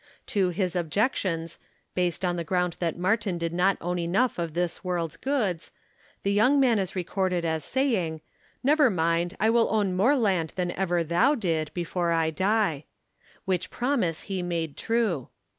To his objections, based on the ground that Martin did not own enough of this world's goods, the young man is recorded as saying, "Never mind. I will own more land than ever thou did, before I die," which promise he made true.